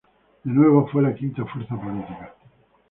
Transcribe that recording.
De nuevo fue la quinta fuerza política.